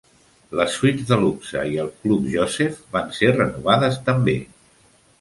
Les suites de luxe i el Club Joseph van ser renovades també.